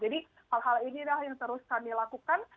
jadi hal hal inilah yang terus kami lakukan